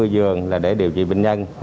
một trăm bốn mươi giường là để điều trị bệnh nhân